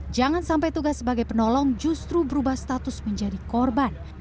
jangan sampai tugas sebagai penolong justru berubah status menjadi korban